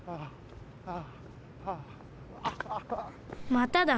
まただ。